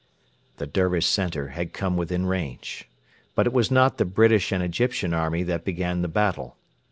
The Dervish centre had come within range. But it was not the British and Egyptian army that began the battle.